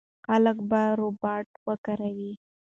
خلک به روباټ وکاروي.